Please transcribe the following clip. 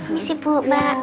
miss ibu mbak